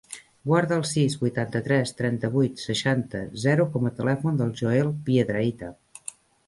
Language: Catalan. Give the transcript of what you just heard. Guarda el sis, vuitanta-tres, trenta-vuit, seixanta, zero com a telèfon del Joel Piedrahita.